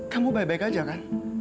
kamu baik baik aja kan